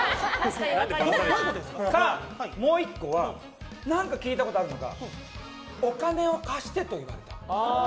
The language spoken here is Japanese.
それか、もう１個は何か聞いたことあるのがお金を貸してと言われた。